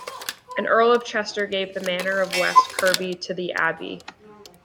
An Earl of Chester gave the manor of West Kirby to the Abbey.